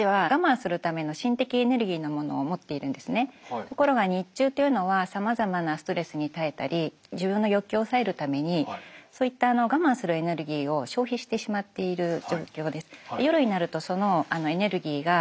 ところが日中っていうのはさまざまなストレスに耐えたり自分の欲求を抑えるためにそういった我慢するエネルギーを消費してしまっている状況です。